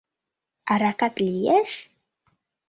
Аракат лиеш!